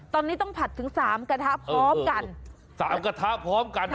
ตอนนี้ต้องผัดถึง๓กระทะพร้อมกัน